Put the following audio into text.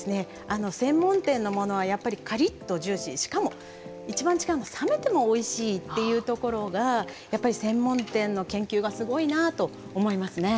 あの専門店のものはやっぱりカリッとジューシーしかも一番違うのは冷めてもおいしいっていうところがやっぱり専門店の研究はすごいなと思いますね。